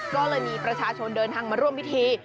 ก็เลยมีประชาชนเดินทางมาร่วมพิธี